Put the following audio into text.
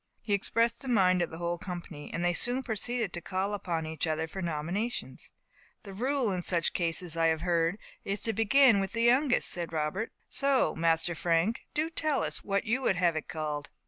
He expressed the mind of the whole company, and they soon proceeded to call upon each other for nominations. "The rule in such cases, I have heard, is to begin with the youngest," said Robert. "So Master Frank, do you tell us what you would have it called."